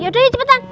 yaudah ya cepetan